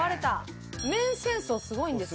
麺戦争すごいんですよ。